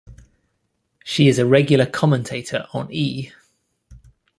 She is a regular commentator on E!